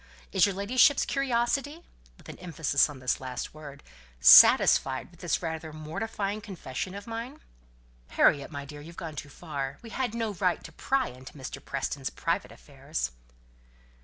Is your ladyship's curiosity" (with an emphasis on this last word) "satisfied with this rather mortifying confession of mine?" "Harriet, my dear, you've gone too far we had no right to pry into Mr. Preston's private affairs."